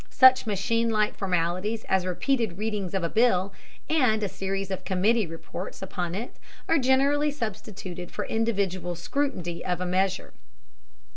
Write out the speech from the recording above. Such machine like formalities as repeated readings of a bill, and a series of committee reports upon it, are generally substituted for individual scrutiny of a measure.